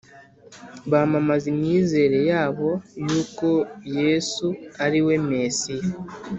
bamamaza imyizerere yabo y uko Yesu ari we Mesiya